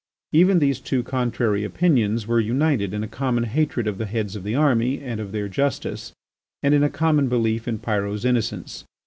Even these two contrary opinions were united in a common hatred of the heads of the army and of their justice, and in a common belief in Pyrot's innocence.